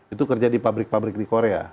itu kerja di pabrik pabrik di korea